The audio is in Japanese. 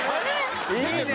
いいね！